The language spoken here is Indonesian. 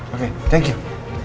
oke terima kasih